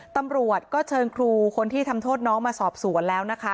ตำรวจก็เชิญครูคนที่ทำโทษน้องมาสอบสวนแล้วนะคะ